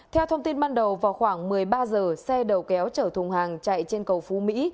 theo thông tin ban đầu vào khoảng một mươi ba giờ xe đầu kéo chở thùng hàng chạy trên cầu phú mỹ